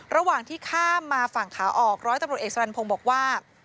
ระหว่างที่ข้ามมาฝั่งขาออกร้อยตำรวจเอกสรรพงศ์บอกว่า